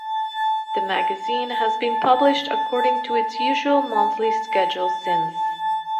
The magazine has been published according to its usual monthly schedule since.